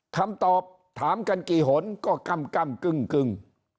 ถามตอบถามกันกี่หนก็กำกำกึ่งกึ่ง